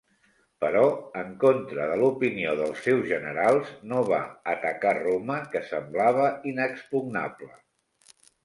Però, en contra de l'opinió dels seus generals, no va atacar Roma, que semblava inexpugnable.